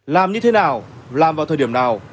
làm như thế nào làm vào thời điểm nào